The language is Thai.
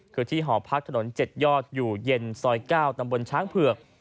คือที่หอพักถนน๗ยอดอยู่เย็นซอย๙ตำบลช้างเผือก